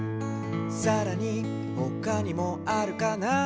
「さらにほかにもあるかな？」